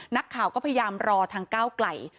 นักข่าวก็พยายามรอทางก้าวไกล